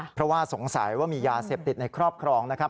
เพราะว่าสงสัยว่ามียาเสพติดในครอบครองนะครับ